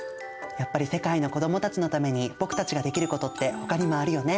やっぱり世界の子どもたちのために僕たちができることってほかにもあるよね。